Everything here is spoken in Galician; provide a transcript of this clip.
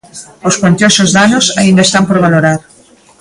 Os cuantiosos danos aínda están por valorar.